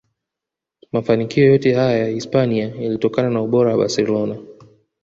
Mafanikio yote haya ya Hispania yalitokana na ubora wa Barcelona